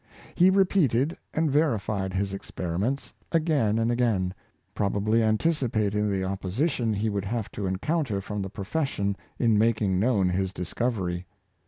He repeated and ver ified his experiments again and again, probably antici pating the opposition he would have to encounter from the profession in making known his discovery.